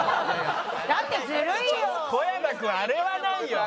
小山君あれはないよ。